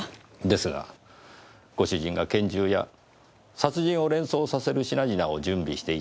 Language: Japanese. ですがご主人が拳銃や殺人を連想させる品々を準備していた事は事実です。